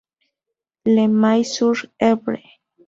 Le May-sur-Èvre